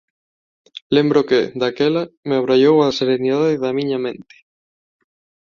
Lembro que, daquela, me abraiou a serenidade da miña mente.